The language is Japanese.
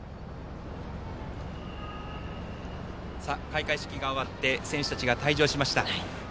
開会式が終わって選手たちが退場しました。